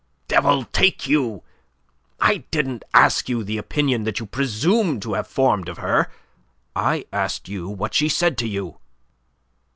"Devil take you, I didn't ask you the opinion that you presume to have formed of her. I asked you what she said to you."